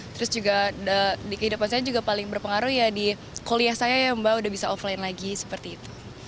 terus juga di kehidupan saya juga paling berpengaruh ya di kuliah saya ya mbak udah bisa offline lagi seperti itu